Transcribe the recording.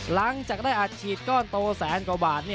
หลังจากได้อัดฉีดก้อนโตแสนกว่าบาท